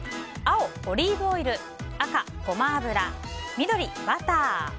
青、オリーブオイル赤、ゴマ油緑、バター。